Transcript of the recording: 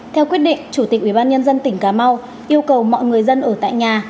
theo quyết định chủ tịch ubnd tỉnh cà mau yêu cầu mọi người dân ở tại nhà